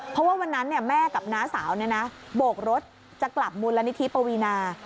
เพราะว่าวันนั้นแม่กับน้าสาวโบกรถจะกลับมูลนิธิปวีนา